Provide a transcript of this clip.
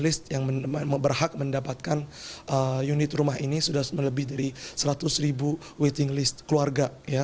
list yang berhak mendapatkan unit rumah ini sudah melebih dari seratus ribu waiting list keluarga